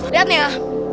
lihat nih ya